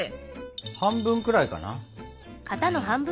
半分くらいかな？